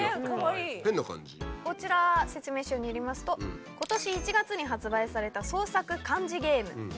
こちら説明書によりますと今年１月に発売された。